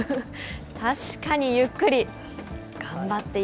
確かにゆっくり。